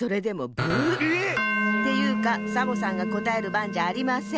えっ⁉っていうかサボさんがこたえるばんじゃありません。